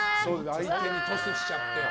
相手にトスしちゃって。